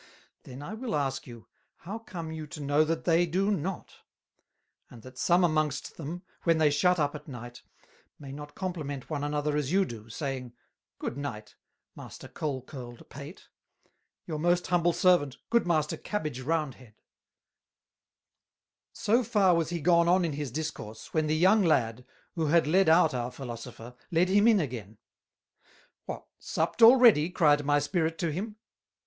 Then will I ask you, how come you to know that they do not; and that some amongst them, when they shut up at Night, may not Compliment one another as you do, saying: Good Night, Master Cole Curled Pate; your most humble Servant, good Master Cabbage Round Head." So far was he gone on in his Discourse, when the young Lad, who had led out our Philosopher, led him in again; "What, Supped already?" cryed my Spirit to him.